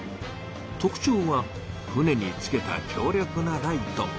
特ちょうは船につけた強力なライト。